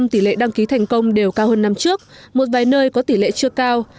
một trăm linh tỷ lệ đăng ký thành công đều cao hơn năm trước một vài nơi có tỷ lệ chưa cao